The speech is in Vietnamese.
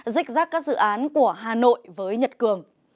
rích rác các dự án của hà nội với nhật cường